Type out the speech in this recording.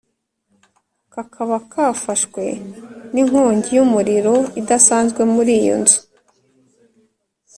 kakaba kafashwe n’inkongi y’umuriro idasanzwe muriyo nzu.